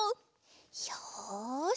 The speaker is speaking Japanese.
よし。